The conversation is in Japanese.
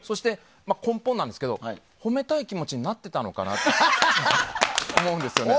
根本ですが褒めたい気持ちになっていたのかって思うんですよね。